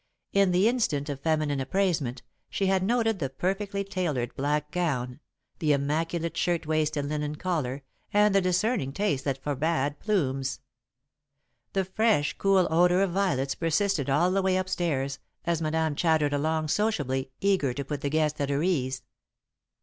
In the instant of feminine appraisement, she had noted the perfectly tailored black gown, the immaculate shirtwaist and linen collar, and the discerning taste that forbade plumes. The fresh, cool odour of violets persisted all the way up stairs, as Madame chattered along sociably, eager to put the guest at her ease.